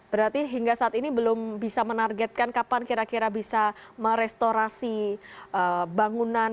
berarti hingga saat ini belum bisa menargetkan kapan kira kira bisa merestorasi bangunan